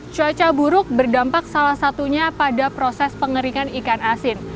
cuaca buruk berdampak salah satunya pada proses pengeringan ikan asin